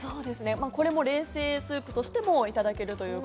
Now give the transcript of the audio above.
冷製スープとしてもいただけるという。